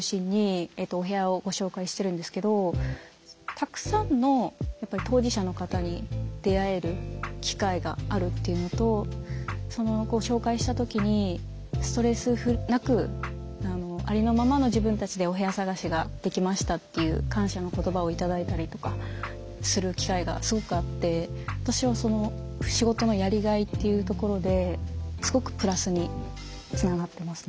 たくさんのやっぱり当事者の方に出会える機会があるっていうのと紹介した時にストレスなくありのままの自分たちでお部屋探しができましたっていう感謝の言葉を頂いたりとかする機会がすごくあって私は仕事のやりがいっていうところですごくプラスにつながってますね。